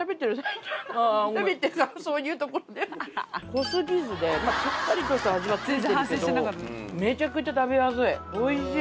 濃過ぎずでしっかりとした味が付いてるけどめちゃくちゃ食べやすいおいしい。